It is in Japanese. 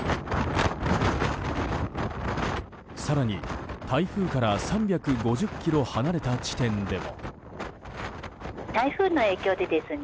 更に、台風から３５０ｋｍ離れた地点でも。